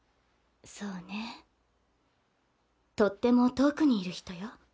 そうねとっても遠くにいる人よ。